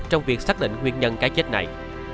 trong việc xác định nguyên nhân cái chết này